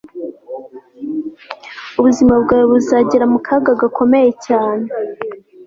ubuzima bwawe buzagera mu kaga gakomeye cyane